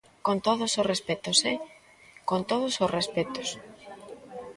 Con todos os respectos, ¡eh!, con todos os respectos.